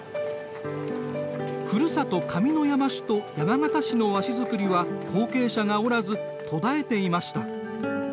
ふるさと上山市と山形市の和紙作りは後継者がおらず途絶えていました。